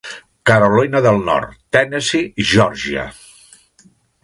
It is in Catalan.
Carolina del Nord, Tennessee i Geòrgia.